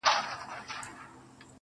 رڼا ترې باسم له څراغه ~